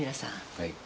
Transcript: はい。